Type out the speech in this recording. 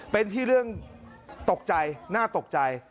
เป็นที่เรื่องตกใจน่าตกใจ